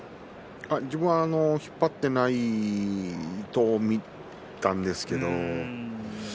自分は引っ張っていないと見たんですけれども。